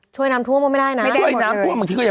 ช่วยน้ำท่วมก็ไม่ได้นั้น